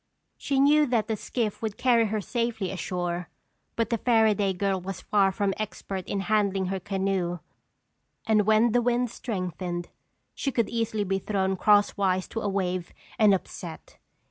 She knew that the skiff would carry her safely ashore but the Fairaday girl was far from expert in handling her canoe and when the wind strengthened, she could easily be thrown crosswise to a wave and upset.